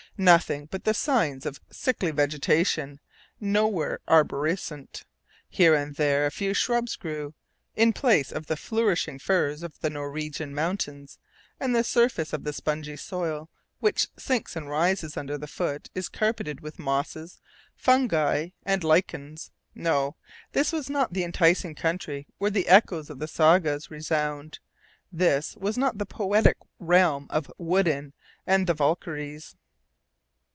Nothing but the signs of a sickly vegetation, nowhere arborescent. Here and there a few shrubs grew, in place of the flourishing firs of the Norwegian mountains, and the surface of a spongy soil which sinks and rises under the foot is carpeted with mosses, fungi, and lichens. No! this was not the enticing country where the echoes of the sagas resound, this was not the poetic realm of Wodin and the Valkyries.